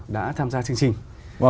đã tham gia chương trình